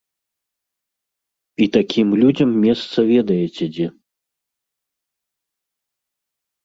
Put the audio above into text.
І такім людзям месца ведаеце дзе.